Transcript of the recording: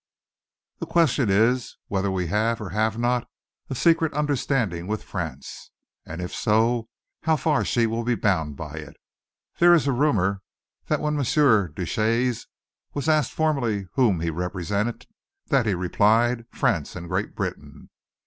The question is whether we have or have not a secret understanding with France, and if so, how far she will be bound by it. There is a rumour that when Monsieur Deschelles was asked formally whom he represented, that he replied 'France and Great Britain.